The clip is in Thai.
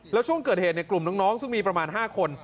แล้วช่วงเกิดเหตุกลุ่มน้องซึ่งมีประมาณ๕คน